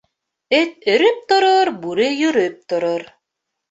Эт өрөп торор, бүре йөрөп торор.